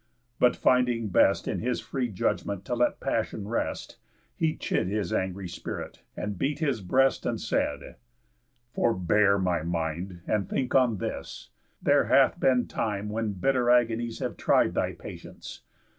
But, finding best In his free judgment to let passion rest, He chid his angry spirit, and beat his breast, And said: "Forbear, my mind, and think on this: There hath been time when bitter agonies Have tried thy patience.